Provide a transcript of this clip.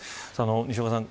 西岡さん